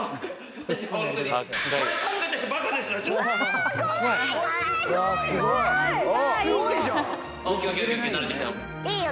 これ考えた人、バカですよ。